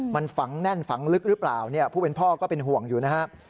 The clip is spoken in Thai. มันฝังแน่นฝังลึกหรือเปล่าเนี่ยผู้เป็นพ่อก็เป็นห่วงอยู่นะครับ